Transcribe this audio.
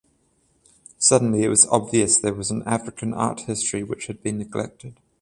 Suddenly it was obvious there was an African art history which had been neglected.